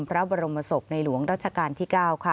พระบรมศพในหลวงรัชกาลที่๙